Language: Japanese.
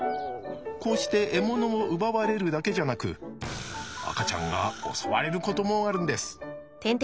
こうして獲物を奪われるだけじゃなく赤ちゃんが襲われることもあるんです。